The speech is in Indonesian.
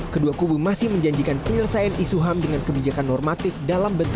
kedua kubu masih menjanjikan penyelesaian isu ham dengan kebijaksanaan